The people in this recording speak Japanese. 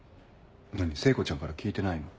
聖子ちゃんから聞いてないの？